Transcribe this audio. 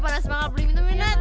panas banget boleh minum benat